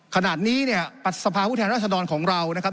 ขณะนี้เนี่ยสภาพผู้แทนรัศดรของเรานะครับ